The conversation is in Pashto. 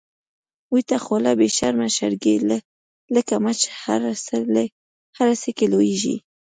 ويته خوله بی شرمه شرګی، لکه مچ هر څه کی لويږی